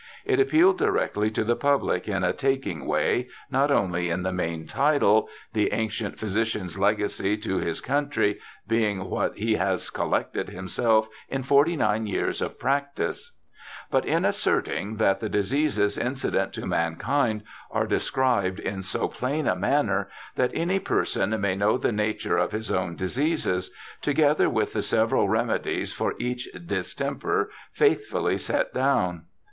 It appealed directly to the public in a taking way, not only in the main title. The Ancient Physician' s Legacy to His Country, being what he has collected himself in Forty nine Years of Practice, but in asserting that the diseases incident to mankind are described in so plain a manner ' that any person may know the nature of his owji diseases ; together with the several Remedies for each Distemper faithfidly set down'.